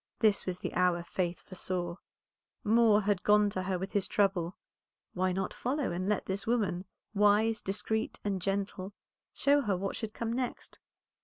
This was the hour Faith foresaw; Moor had gone to her with his trouble, why not follow, and let this woman, wise, discreet, and gentle, show her what should come next?